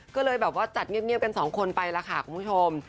ก็เลยแบบว่าจัดเงียบกันสองคนไปแล้วค่ะคุณผู้ชม